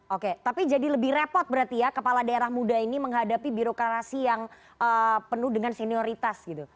oke tapi jadi lebih repot berarti ya kepala daerah muda ini menghadapi birokrasi yang penuh dengan senioritas gitu